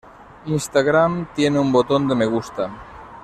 Instagram tiene un botón de Me gusta.